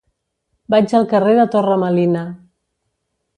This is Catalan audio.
Vaig al carrer de Torre Melina.